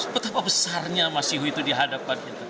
betapa besarnya masiku itu dihadapkan